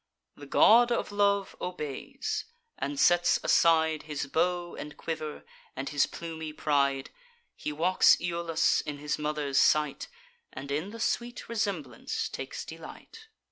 The God of Love obeys, and sets aside His bow and quiver, and his plumy pride; He walks Iulus in his mother's sight, And in the sweet resemblance takes delight.